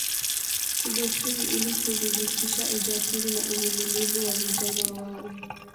Kidesturi ili kuthibitisha ujasiri na uvumilivu wa vijana wao